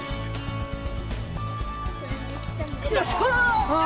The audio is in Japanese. よし！